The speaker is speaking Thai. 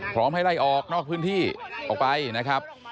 พร้อมให้ไล่ออกนอกพื้นที่ออกไปนะครับ